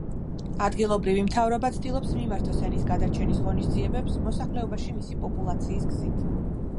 ადგილობრივი მთავრობა ცდილობს მიმართოს ენის გადარჩენის ღონისძიებებს, მოსახლეობაში მისი პოპულაციის გზით.